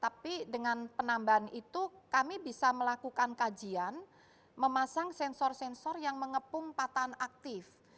tapi dengan penambahan itu kami bisa melakukan kajian memasang sensor sensor yang mengepung patahan aktif